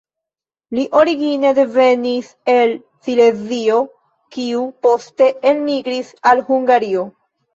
Li origine devenis el Silezio kiu poste elmigris al Hungario.